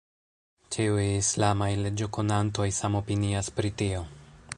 Ĉiuj islamaj leĝokonantoj samopinias pri tio.